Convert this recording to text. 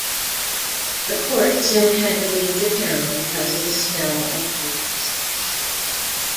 The Court soon had to leave the town because of the smell of corpses.